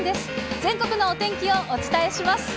全国のお天気をお伝えします。